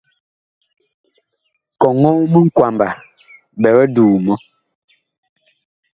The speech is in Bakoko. Kɔŋɔɔ minkwamba biig duu mɔ.